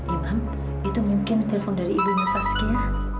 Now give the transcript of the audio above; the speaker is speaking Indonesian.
imam itu mungkin telepon dari ibu mas saskia